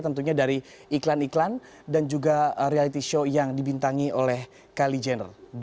tentunya dari iklan iklan dan juga reality show yang dibintangi oleh kylie jenner